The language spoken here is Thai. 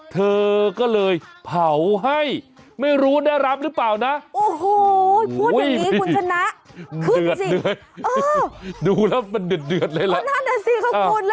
เธอก็เลยเผาให้ไม่รู้ได้รับหรือป่าวนะโอ้โฮยพูดแบบนี้คุณชนะ